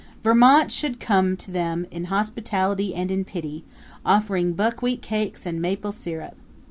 Vermont should come to them in hospitality and in pity, offering buckwheat cakes and maple sirup.